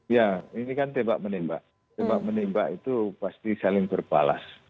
ya ini kan tembak menembak tembak menembak itu pasti saling berbalas